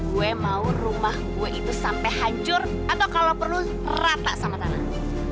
gue mau rumah gue itu sampai hancur atau kalau perlu rata sama tanah